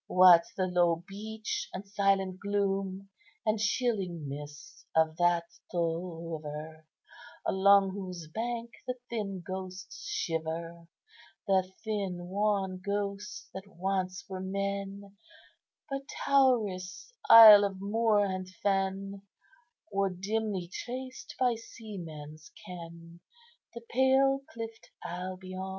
What the low beach and silent gloom, And chilling mists of that dull river, Along whose bank the thin ghosts shiver, The thin, wan ghosts that once were men, But Tauris, isle of moor and fen; Or, dimly traced by seaman's ken, The pale cliffed Albion?"